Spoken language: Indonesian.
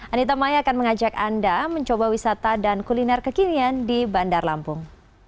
anita maya akan mengajak anda mencoba wisata dan kuliner kekinian di bandar lampung